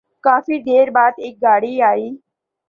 کافی دیر بعد ایک گاڑی آئی ۔